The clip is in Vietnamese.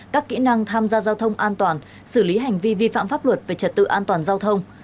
các kỹ năng tham gia giao thông an toàn xử lý hành vi vi phạm pháp luật về trật tự an toàn giao thông